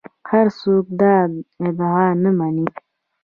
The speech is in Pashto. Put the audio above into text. هر څوک دا ادعا نه مني